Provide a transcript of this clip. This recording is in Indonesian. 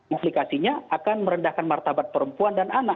implikasinya akan merendahkan martabat perempuan dan anak